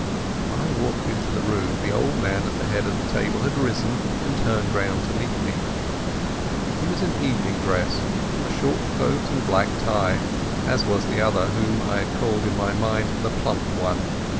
When I walked into the room the old man at the head of the table had risen and turned round to meet me. He was in evening dress—a short coat and black tie, as was the other, whom I called in my own mind the plump one.